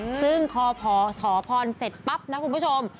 ซึ่งพอขอพรเสร็จปั๊บนะคุณผู้ชม